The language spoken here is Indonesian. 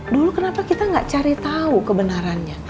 dulu kenapa kita gak cari tahu kebenarannya